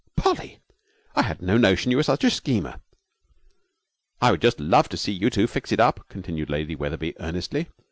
'Polly! I had no notion you were such a schemer.' 'I would just love to see you two fix it up,' continued Lady Wetherby, earnestly.